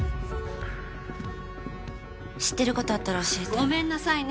知ってることあったら教えてごめんなさいね